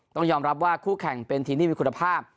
ต้องยอมรับว่าคู่แข่งเป็นทีมที่มีคุณภาพ